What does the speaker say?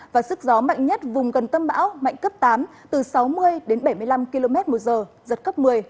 và sức gió mạnh nhất vùng gần tâm bão mạnh cấp tám từ sáu mươi đến bảy mươi năm km một giờ giật cấp một mươi